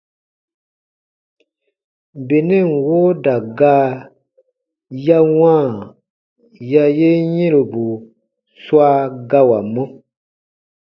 Benɛn wooda gaa ya wãa ya yen yɛ̃robu swa gawamɔ.